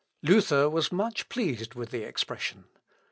" Luther was much pleased with the expression.